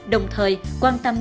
đồng thời quan tâm